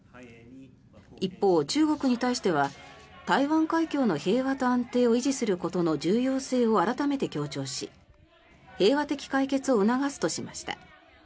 一方、中国に対しては台湾海峡の平和と安定を維持することの重要性を改めて強調し平和的解決を促すとしました。